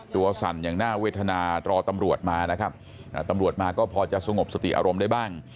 สั่นอย่างน่าเวทนารอตำรวจมานะครับตำรวจมาก็พอจะสงบสติอารมณ์ได้บ้าง